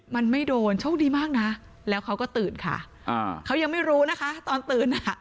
มันไม่โดนโชคดีมากนะแล้วเขาก็ตื่นค่ะอ่าเขายังไม่รู้นะคะตอนตื่นอ่ะ